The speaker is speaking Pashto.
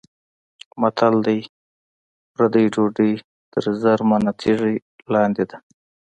متل دی: پردۍ ډوډۍ تر زرمنه تیږه لاندې ده.